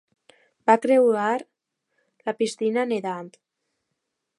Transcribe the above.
Va creuar la piscina nedant.